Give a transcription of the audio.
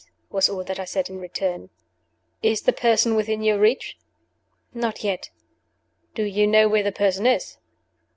was all that I said in return. "Is the person within your reach?" "Not yet." "Do you know where the person is?"